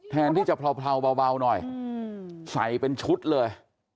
แทนที่จะเผาเบาหน่อยใส่เป็นชุดเลย